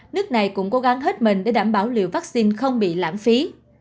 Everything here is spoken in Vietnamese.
nước này cũng cố gắng hết mình để đảm bảo liệu vắc xin không bị lãng phí